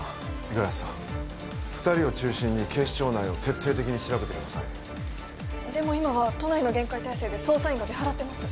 五十嵐さん２人を中心に警視庁内を徹底的に調べてくださいでも今は都内の厳戒態勢で捜査員が出払ってます